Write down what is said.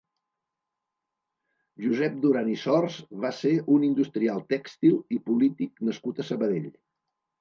Josep Duran i Sors va ser un industrial tèxtil i polític nascut a Sabadell.